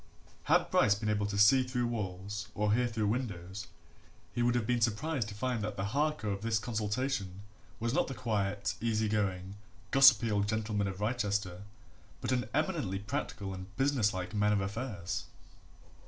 Had Bryce been able to see through walls or hear through windows, he would have been surprised to find that the Harker of this consultation was not the quiet, easy going, gossipy old gentleman of Wrychester, but an eminently practical and business like man of affairs.